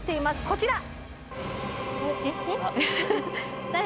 こちら！